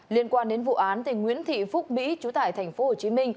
liên quan đến vụ án nguyễn thị phúc mỹ chú tại tp hcm